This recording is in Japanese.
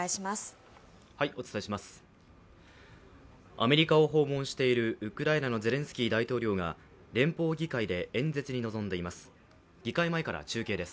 アメリカを訪問しているウクライナのゼレンスキー大統領が連邦議会で演説に臨んでいます。